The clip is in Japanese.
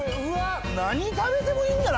何食べてもいいんだな